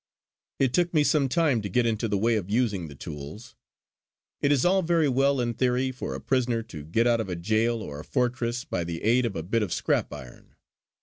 It took me some time to get into the way of using the tools. It is all very well in theory for a prisoner to get out of a jail or a fortress by the aid of a bit of scrap iron.